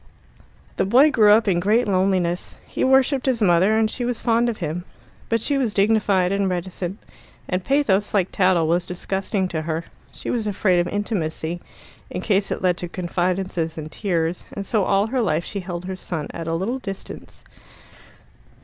The boy grew up in great loneliness. He worshipped his mother, and she was fond of him. But she was dignified and reticent, and pathos, like tattle, was disgusting to her. She was afraid of intimacy, in case it led to confidences and tears, and so all her life she held her son at a little distance.